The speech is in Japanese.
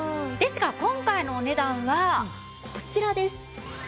ですが今回のお値段はこちらです。